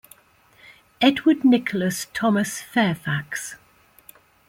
Edward Nicholas Thomas Fairfax.